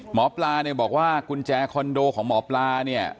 หมอปลาเนี่ยบอกว่ากุญแจคอนโดของหมอปลาเนี่ย